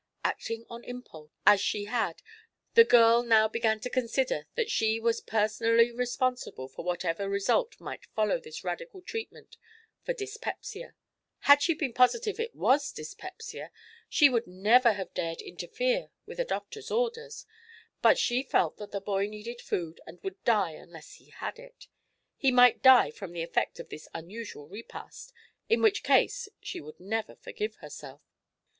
Acting on impulse, as she had, the girl now began to consider that she was personally responsible for whatever result might follow this radical treatment for dyspepsia. Had she been positive it was dyspepsia, she would never have dared interfere with a doctor's orders; but she felt that the boy needed food and would die unless he had it. He might die from the effect of this unusual repast, in which case she would never forgive herself.